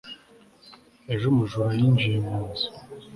ejo, umujura yinjiye mu nzu